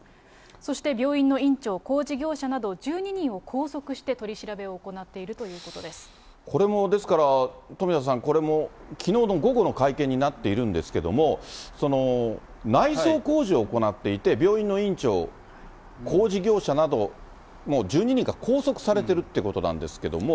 そして病院の院長、工事業者など１２人を拘束して取り調べを行っているということでこれもですから、富田さん、これもきのうの午後の会見になっているんですけども、内装工事を行っていて、病院の院長、工事業者なども１２人が拘束されているということなんですけれども。